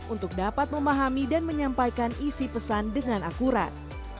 untuk dapat memahami dan menyampaikan isi pesan dengan akurat